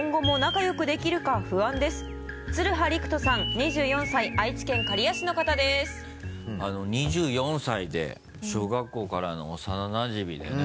２４歳で小学校からの幼なじみでね